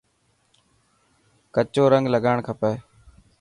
ڪچو رنگ لگان کپي.